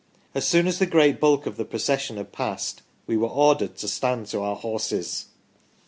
As soon as the great bulk of the procession had passed, we were ordered to stand to our horses."